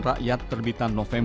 perang tu amat belilah perang